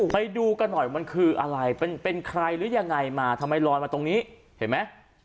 ไปดูกันหน่อยมันคืออะไรเป็นใครหรือยังไงมาทำไมลอยมาตรงนี้เห็นไหม